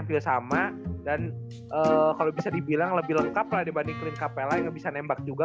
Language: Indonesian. hampir sama dan kalau bisa dibilang lebih lengkap lah dibanding clean capella yang bisa nembak juga